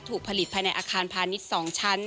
ถูกผลิตภายในอาคารพาณิชย์๒ชั้น